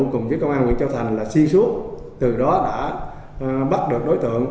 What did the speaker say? cùng với công an huyện châu thành là xuyên suốt từ đó đã bắt được đối tượng